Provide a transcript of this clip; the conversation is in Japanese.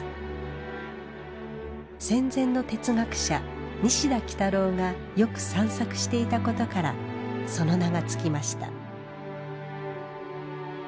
戦前の哲学者西田幾多郎がよく散策していたことからその名が付きました。